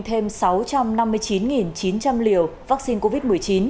thêm sáu trăm năm mươi chín chín trăm linh liều vaccine covid một mươi chín